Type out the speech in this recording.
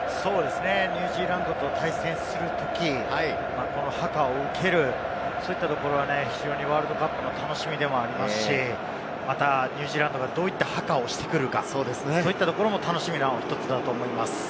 ニュージーランドと対戦するとき、ハカを受ける、そういったところは非常にワールドカップの楽しみでもありますし、またニュージーランドがどういったハカをしてくるか、そういったところも楽しみの１つだと思います。